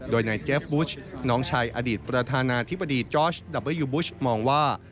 โดยนายเจฟบุชน้องชายอดีตประธานาธิบดีจอร์ชดับเบอร์ยูบูชมองว่า